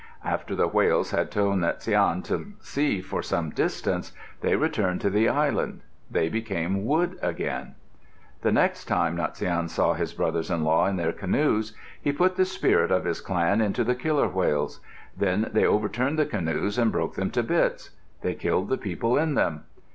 After the whales had towed Natsiane to sea for some distance, they returned to the island. They became wood again. The next time Natsiane saw his brothers in law in their canoes, he put the spirit of his clan into the killer whales. Then they overturned the canoes and broke them to bits. They killed the people in them.